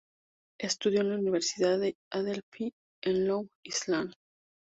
Estudió en la Universidad de Adelphi, en Long Island.